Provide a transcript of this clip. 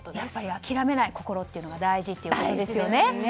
諦めない心が大事ということですよね。